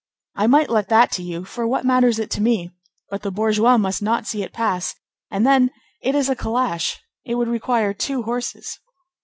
I might let that to you, for what matters it to me? But the bourgeois must not see it pass—and then, it is a calash; it would require two horses."